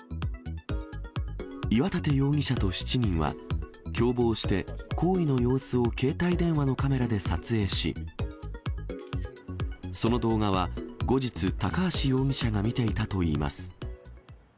岩立容疑者と７人は、共謀して、行為の様子を携帯電話のカメラで撮影し、その動画は、後日、高橋容疑者が見ていたといいます。